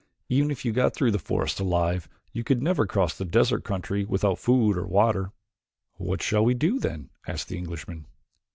"Even if you got through the forest alive you could never cross the desert country without food or water." "What shall we do, then?" asked the Englishman.